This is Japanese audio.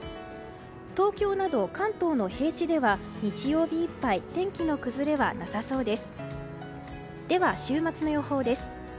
東京など関東の平地では日曜日いっぱい天気の崩れはなさそうです。